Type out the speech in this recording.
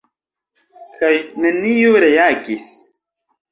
Kaj neniu reagis.